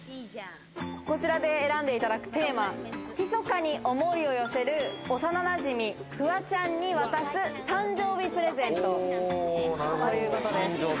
こちらで選んでいただくテーマ、密に思いを寄せる、幼なじみフワちゃんに渡す誕生日プレゼント。